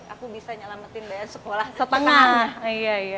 aku bisa nyelamatin bayar sekolah apakah